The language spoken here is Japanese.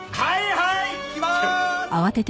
はい行きまーす！